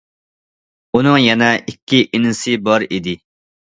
ئۇنىڭ يەنە ئىككى ئىنىسى بار ئىدى.